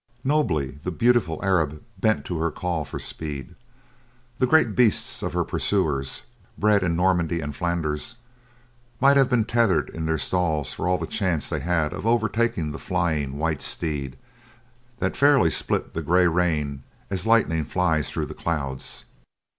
Nobly, the beautiful Arab bent to her call for speed. The great beasts of her pursuers, bred in Normandy and Flanders, might have been tethered in their stalls for all the chance they had of overtaking the flying white steed that fairly split the gray rain as lightning flies through the clouds.